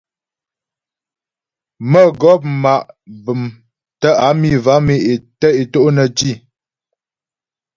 Mə́gɔp ma' bəm tə́ á mi vam e é to' nə́ tî.